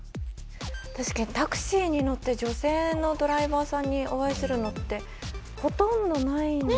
確かにタクシーに乗って女性のドライバーさんにお会いするのってほとんどないので。